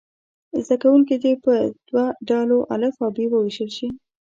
زده کوونکي دې په دوه ډلو الف او ب وویشل شي.